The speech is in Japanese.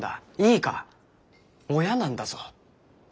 いいか親なんだぞ。